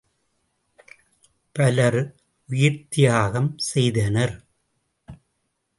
பலர் உயிர்த்தியாகம் செய்தனர்.